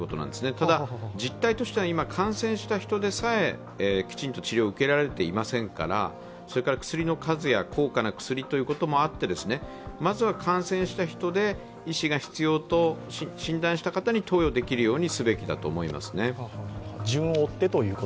ただ、実態としては今、感染した人でさえきちんと治療を受けられていませんから、薬の数や高価な薬ということもあってまずは感染した人で医師が必要と診断した方に投与できるようにすべきだと思いますね。